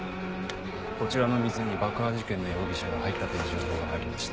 こちらの店に爆破事件の容疑者が入ったという情報が入りました。